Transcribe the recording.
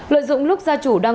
lợi dụng lúc ra chủ đăng